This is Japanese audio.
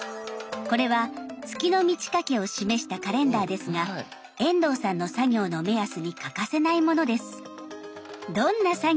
これは月の満ち欠けを示したカレンダーですが遠藤さんの作業の目安に欠かせないものです。